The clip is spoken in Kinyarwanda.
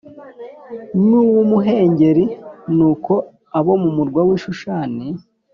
n uw umuhengeri nuko abo mu murwa w i Shushani